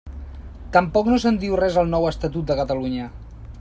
Tampoc no se'n diu res al nou Estatut de Catalunya.